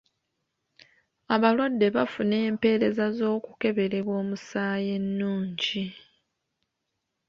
Abalwadde bafuna empereza z'okukeberebwa omusaayi ennungi.